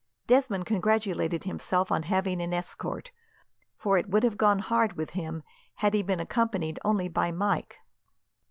Desmond congratulated himself on having an escort, for it would have gone hard with him, had he been accompanied only by Mike.